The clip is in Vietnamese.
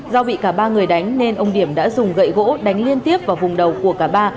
do bị cả ba người đánh nên ông điểm đã dùng gậy gỗ đánh liên tiếp vào vùng đầu của cả ba